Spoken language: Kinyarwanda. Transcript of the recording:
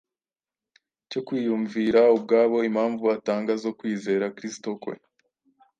cyo kwiyumvira ubwabo impamvu atanga zo kwizera Kristo kwe.